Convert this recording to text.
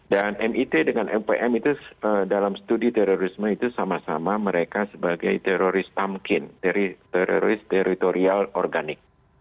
dan mit dengan mpm itu dalam studi terorisme itu sama sama mereka sebagai teroris tamkin teroris teritorial organik